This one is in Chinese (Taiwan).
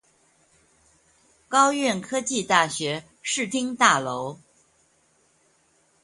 高苑科技大學視聽大樓